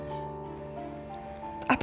apa gue harus kabur